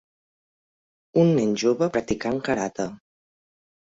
Un nen jove practicant karate